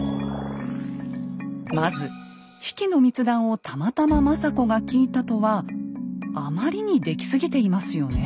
まず比企の密談をたまたま政子が聞いたとはあまりに出来すぎていますよね。